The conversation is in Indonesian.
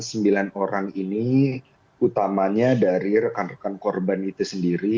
sembilan orang ini utamanya dari rekan rekan korban itu sendiri